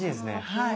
はい。